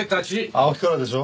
青木からでしょ？